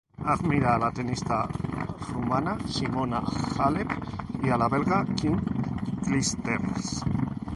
Admira a la tenista rumana Simona Halep y a la belga Kim Clijsters.